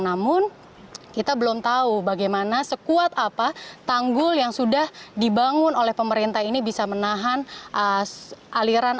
namun kita belum tahu bagaimana sekuat apa tanggul yang sudah dibangun oleh pemerintah ini bisa menahan aliran